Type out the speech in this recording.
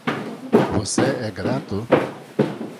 Você é grato?